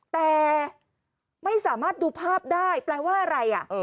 แต่ไม่สามารถดูภาพได้แปลว่าอะไร